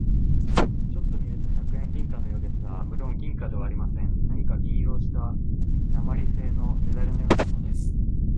ちょっと見ると百円銀貨のようですが、むろん銀貨ではありません。何か銀色をした鉛製なまりせいのメダルのようなものです。